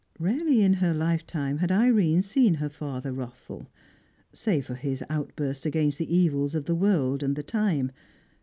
Rarely in her lifetime had Irene seen her father wrathful save for his outbursts against the evils of the world and the time.